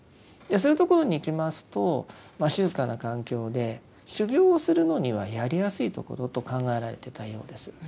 そういうところに行きますと静かな環境で修行をするのにはやりやすいところと考えられてたようです。